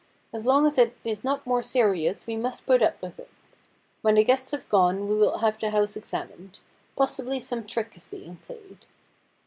As long as it is not more serious we must put up with it. When the guests have gone we will have the house examined. Possibly some trick is being played.'